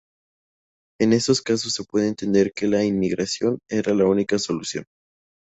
En estos casos se puede entender que la inmigración era la única solución.